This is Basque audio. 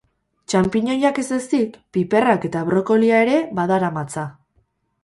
Txanpiñoiak ez ezik, piperrak eta brokolia ere badaramatza.